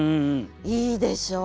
いいでしょう？